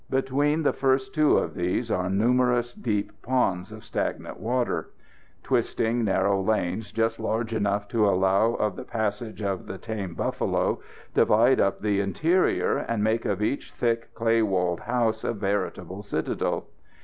Between the first two of these are numerous deep ponds of stagnant water. Twisting, narrow lanes, just large enough to allow of the passage of the tame buffalo, divide up the interior, and make of each thick clay walled house a veritable citadel.